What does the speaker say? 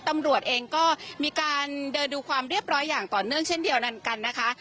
ตำรวจเองก็มีการเดินดูความเรียบร้อยอย่างต่อเนื่องเช่นเดียวกันนะคะ